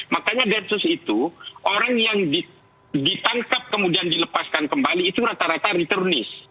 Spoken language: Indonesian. makanya densus itu orang yang ditangkap kemudian dilepaskan kembali itu rata rata returnis